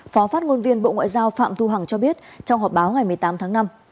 phó phát ngôn viên bộ ngoại giao phạm thu hằng cho biết trong họp báo ngày một mươi tám tháng năm